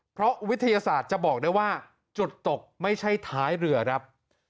เพราะวิทยาศาสตร์จะบอกได้ว่าจุดตกไม่ใช่ท้ายเรือครับ